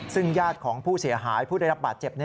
ซึ่งญาติของผู้เสียหายผู้ได้รับบาดเจ็บ